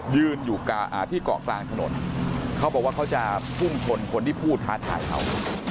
ยืนอยู่ที่เกาะกลางถนนเขาบอกว่าเขาจะพุ่งชนคนที่พูดท้าทายเขา